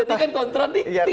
jadi kan kontradiktif